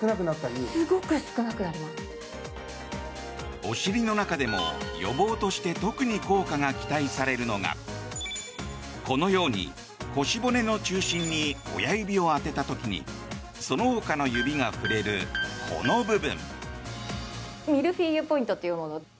お尻の中でも予防として特に効果が期待されるのがこのように腰骨の中心に親指を当てた時にそのほかの指が触れるこの部分。